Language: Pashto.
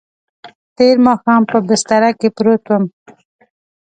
تېر ماښام په بستره کې پروت وم.